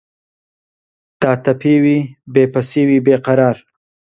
داتەپیوی، بێ پەسیوی بێ قەرار